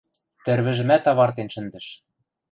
Тӹрвӹжӹмӓт авартен шӹндӹш.